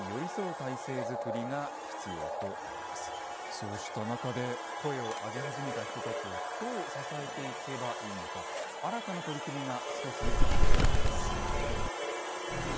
そうした中で声を上げ始めた人たちをどう支えていけばいいのか新たな取り組みが少しずつ始まっています。